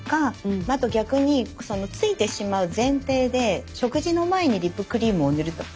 あと逆に付いてしまう前提で食事の前にリップクリームを塗るとか。